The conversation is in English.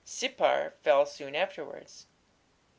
Sippar fell soon afterwards.